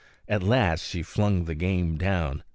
At last she flung the game down.